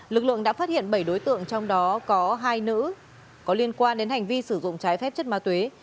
lực lượng đã phát hiện bảy đối tượng trong đó có hai nữ có liên quan đến hành vi sử dụng trái phép chất ma túy